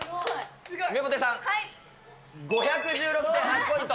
ゆめぽてさん、５１６．８ポイント。